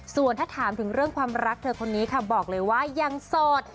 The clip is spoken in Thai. ส่วนถ้าถามถึงเรื่องความรักเธอคนนี้ค่ะบอกเลยว่ายังโสด